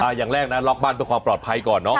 อย่างแรกนะล็อกบ้านเพื่อความปลอดภัยก่อนเนอะ